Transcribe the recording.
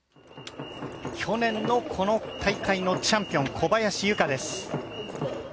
去年のこの大会のチャンピオン小林諭果です。